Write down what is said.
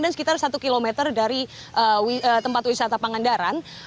dan sekitar satu km dari tempat wisata pangandaran